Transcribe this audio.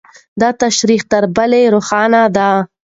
دا تشریح تر بلې روښانه ده.